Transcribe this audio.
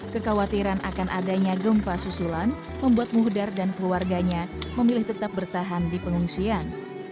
kekhawatiran akan adanya gempa susulan membuat muhdar dan keluarganya memilih tetap bertahan di pengungsian